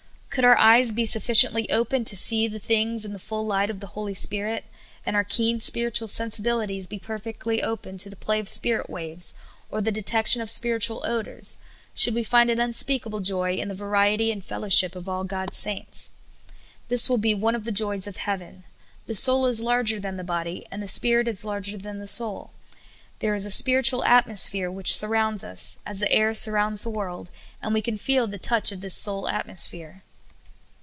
Could our eyes be sufficiently open to see things in the full light of the Holy Spirit, and our keen spiritual sen sibilities be perfectly open to the play of spirit waves, or the detection of spiritual odors, we should find an unspeakable joy in the variety and fellowship of all God's saints. This will be one of the joys of heaven. The soul is larger than the body, and the spirit is larger than the soul. There is a spiritual atmosphere which surrounds us, as the air surrounds the world, and we can feel the touch of this soul atmosphere.